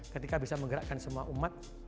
ketika bisa menggerakkan semua umat